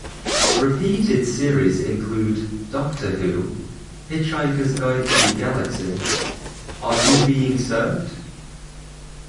Repeated series include "Doctor Who", "Hitchhiker's Guide to the Galaxy", "Are You Being Served?